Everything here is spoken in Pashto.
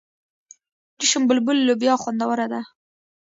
چشم بلبل لوبیا خوندوره ده.